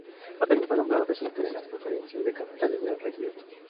Batallón y fue nombrado presidente de las Conferencias de Capitanes del Regimiento.